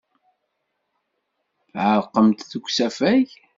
Tɛerqemt deg usafag.